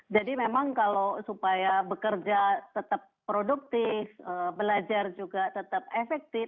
jadi memang kalau supaya bekerja tetap produktif belajar juga tetap efektif